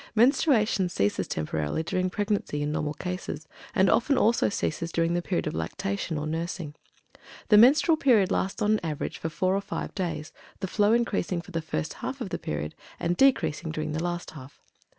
Menstruation ceases temporarily during pregnancy, in normal cases, and often also ceases during the period of lactation or nursing. The menstrual period lasts on an average for four or five days, the flow increasing for the first half of the period, and decreasing during the last half.